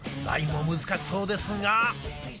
ラインも難しそうですが。